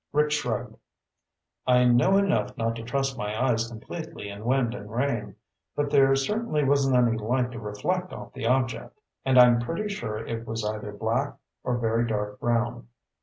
Rick shrugged. "I know enough not to trust my eyes completely in wind and rain. But there certainly wasn't any light to reflect off the object, and I'm pretty sure it was either black or very dark brown."